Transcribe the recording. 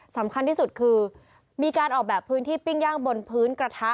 สำคัญที่สุดคือมีการออกแบบพื้นที่ปิ้งย่างบนพื้นกระทะ